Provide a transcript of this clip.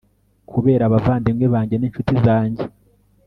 kubera abavandimwe banjye n'incuti zanjye